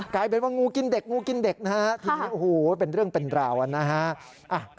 กลายเป็นว่างูกินเด็กทีนี้เป็นเรื่องเป็นราวนะฮะ